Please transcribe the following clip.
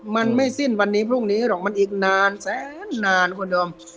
มันไม่สิ้นวันนี้พรุ่งนี้หรอกมันอีกนานแสนนานคุณดอม